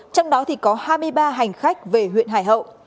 trong đó thì có hai mươi ba hành khách về huyện hải hậu